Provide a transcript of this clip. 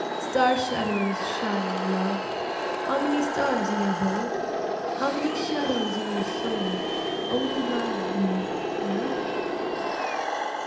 Star shadows shine, love, How many stars in your bowl? How many shadows in your soul, Only mine, love, mine?